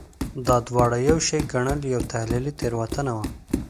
دا دواړه یو شی ګڼل یوه تحلیلي تېروتنه وه.